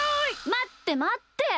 まってまって。